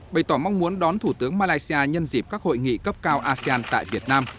bày tỏ mong muốn đón thủ tướng malaysia nhân dịp các hội nghị cấp cao asean tại việt nam